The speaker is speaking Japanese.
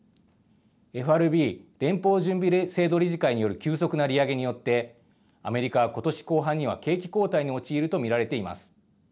ＦＲＢ・連邦準備制度理事会による急速な利上げによって、アメリカはことし後半には景気後退に陥ると見られています。